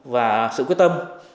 và sự quyết tâm